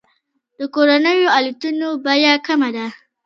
د کورنیو الوتنو بیه کمه ده.